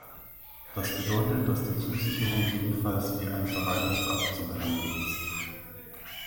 Das bedeutet, dass die Zusicherung jedenfalls wie ein Verwaltungsakt zu behandeln ist.